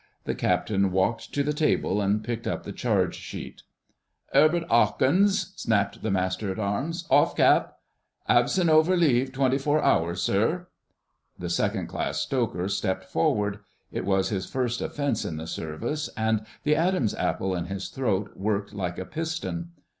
The Captain walked to the table and picked up the charge sheet. '"Erbert 'Awkins!" snapped the Master at Arms. "Off cap. Absenover leave twenty four hours, sir." The Second class Stoker stepped forward; it was his first offence in the Service, and the Adam's apple in his throat worked like a piston.